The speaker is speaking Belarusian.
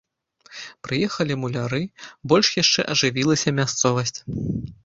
Прыехалі муляры, больш яшчэ ажывілася мясцовасць.